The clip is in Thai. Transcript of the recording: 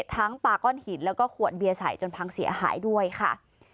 ปลาก้อนหินแล้วก็ขวดเบียร์ใส่จนพังเสียหายด้วยค่ะ